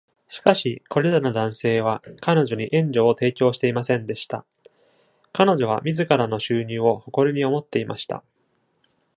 しかし、これらの男性は彼女に援助を提供していませんでした。彼女は自らの収入を誇りに思っていました。